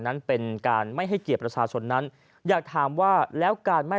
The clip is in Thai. นั้นเป็นการไม่ให้เกียรติประชาชนนั้นอยากถามว่าแล้วการไม่